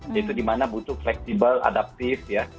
yaitu dimana butuh fleksibel adaptif ya